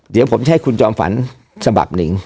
เดี๋ยวผมจะให้คุณจอมฝันฉบับหนึ่ง